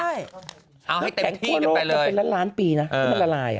เอาให้เต็มที่กันไปเลยแข็งคั่วโลกจะเป็นละล้านปีนะมันละลายอ่ะ